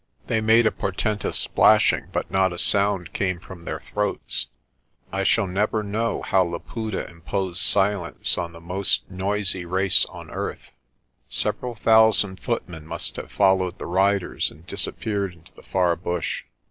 They made a portentous splashing but not a sound came from their throats. I shall never know how Laputa imposed silence on the most noisy race on earth. Several thousand footmen must have followed the riders and dis appeared into the far bush.